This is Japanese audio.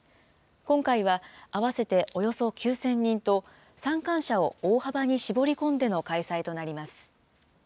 今回は合わせておよそ９０００人と、参観者を大幅に絞り込んでの開催となります。